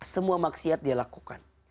semua maksiat dia lakukan